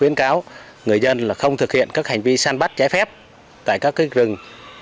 người dân không thực hiện các hành vi săn bắt trái phép tại các rừng